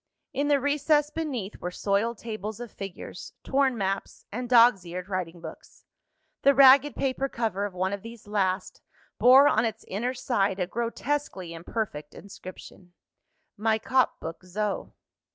In the recess beneath were soiled tables of figures, torn maps, and dogs eared writing books. The ragged paper cover of one of these last, bore on its inner side a grotesquely imperfect inscription: _my cop book zo.